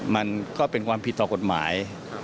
มันก็เป็นความผิดต่อกฎหมาย